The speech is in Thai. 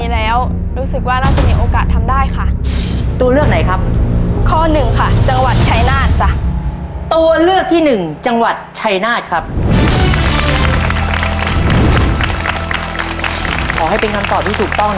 ๒๑แล้วของเราเท่าไหร่ลุง